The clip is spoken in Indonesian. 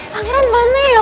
pangeran mana ya